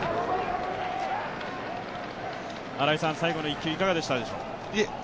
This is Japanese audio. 最後の一球、いかがでしたでしょう？